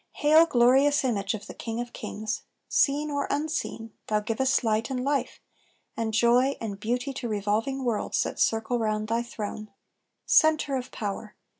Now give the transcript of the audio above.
Hail! glorious image of the KING OF KINGS! Seen or unseen, thou givest light, and life, And joy, and beauty to revolving worlds That circle round thy throne. Centre of power!